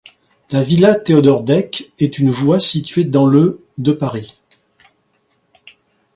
La villa Théodore-Deck est une voie située dans le de Paris.